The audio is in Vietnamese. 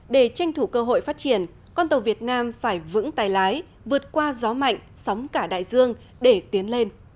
để tranh thủ cơ hội phát triển con tàu việt nam phải vững tay lái vượt qua gió mạnh sóng cả đại dương để tiến lên